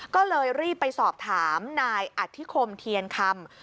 ก็เลยรีบไปสอบถามนายอธิคมเทียนคำ